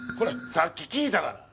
さっき聞いたがな！